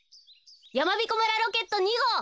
やまびこ村ロケット２ごう。